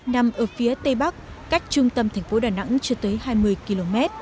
nằm ở phía tây bắc cách trung tâm thành phố đà nẵng chưa tới hai mươi km